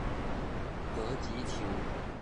果子樹